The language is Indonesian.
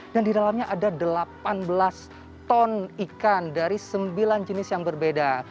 dan di dalamnya ada delapan belas ton ikan dari sembilan jenis yang berbeda